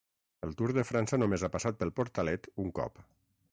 El Tour de França només ha passat pel portalet un cop.